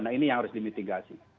nah ini yang harus dimitigasi